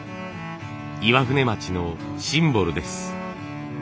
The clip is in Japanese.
岩舟町のシンボルです。